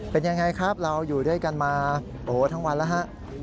เป็นยังไงครับเราอยู่ด้วยกันมาโอ้โหทั้งวันแล้วฮะ